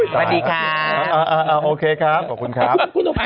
ช่วยทหารเขาครับ